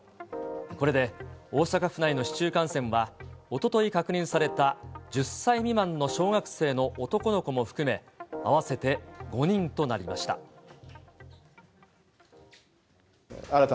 これで大阪府内の市中感染はおととい確認された１０歳未満の小学生の男の子も含め、合わせて５人となりました。